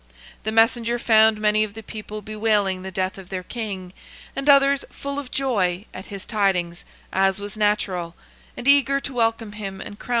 The messenger found many of the people bewailing the death of their king, and others full of joy at his tidings, as was natural, and eager to welcome him VOL.